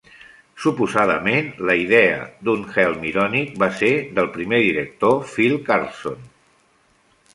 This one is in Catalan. Suposadament, la idea d'un Helm irònic va ser del primer director, Phil Karlson.